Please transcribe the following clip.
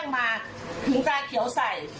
น้องปิดประตูไม่สนิทเลยน้องเอ้ย